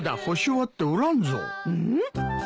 うん？